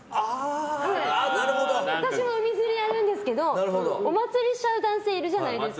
私も海釣りやるんですけどおまつりしちゃう男性いるじゃないですか。